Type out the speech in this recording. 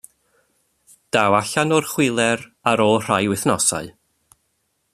Daw allan o'r chwiler ar ôl rhai wythnosau.